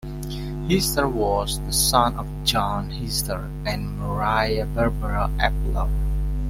Hiester was the son of John Hiester and Maria Barbara Epler.